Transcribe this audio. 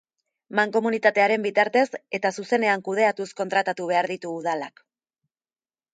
Mankomunitatearen bitartez eta zuzenean kudeatuz kontratatu behar ditu udalak.